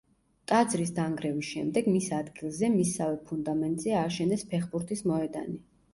ტაძრის დანგრევის შემდეგ მის ადგილზე, მისსავე ფუნდამენტზე ააშენეს ფეხბურთის მოედანი.